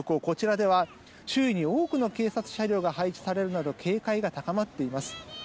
こちらでは、周囲に多くの警察車両が配置されるなど警戒が高まっています。